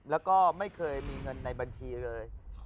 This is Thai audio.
แล้วก็ไม่เคยมีเงินในบัญชีเลย